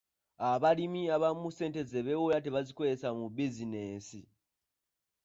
Abalimi abamu ssente ze beewola tebazikozesa mu bizinensi.